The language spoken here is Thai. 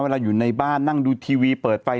อยู่ในบ้านนั่งดูทีวีเปิดไฟ